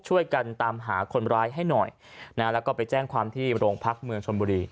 ช่วยกันตามหาคนร้ายให้หน่อยนะแล้วก็ไปแจ้งความที่โรงพักเมืองชนบุรี